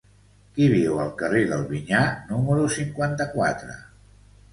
Qui viu al carrer del Vinyar número cinquanta-quatre?